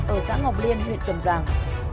ở xã ngọc liên huyện cầm giang